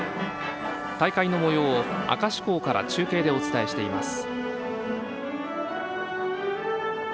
大会のもようを明石港から中継でお伝えしています。